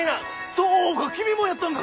そうか君もやったんか！